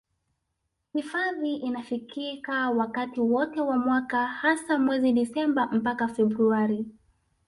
Hifadhi inafikika wakati wote wa mwaka hasa mwezi Disemba mpaka Februari